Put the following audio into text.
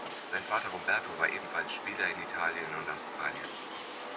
Sein Vater Roberto war ebenfalls Spieler in Italien und Australien.